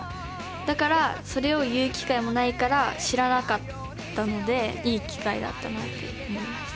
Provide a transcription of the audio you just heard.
だからそれを言う機会もないから知らなかったのでいい機会だったなって思いました。